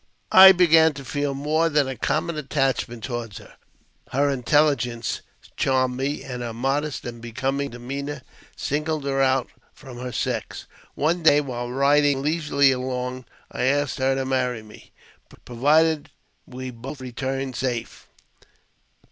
I began to feel more than a common attachment toward her. Her intelligence charmed me, and her modest and becoming demeanour singled her out from her sex. One day, while riding leisurely along, I asked her to marry me provided we both returned safe.